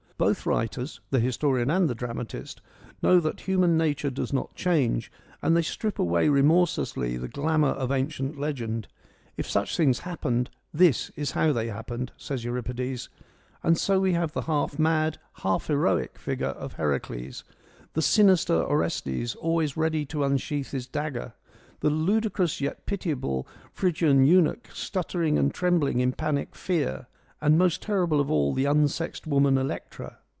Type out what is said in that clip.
Both writers — the historian and the dramatist — know that human nature does not change, and they strip away re morselessly the glamour of ancient legend. If such things happened, this is how they happened, says Euripides ; and so we have the half mad, half heroic figure of Heracles : the sinister Orestes always ready to unsheath his dagger : the ludicrous yet pitiable Phrygian eunuch stuttering and trembling in panic fear, and most terrible of all the unsexed woman Electra.